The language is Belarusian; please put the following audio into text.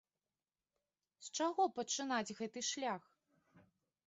З чаго пачынаць гэты шлях?